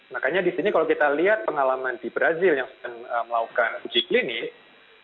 makanya di sini kalau kita lihat pengalaman di brazil yang sedang melakukan uji klinik